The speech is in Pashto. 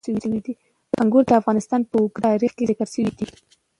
انګور د افغانستان په اوږده تاریخ کې ذکر شوی دی.